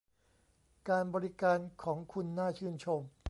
การบริการของคุณน่าชื่นชม